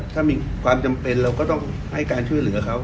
ถ้ามีความจำเป็นเราก็ต้องให้การช่วยเหลือเขา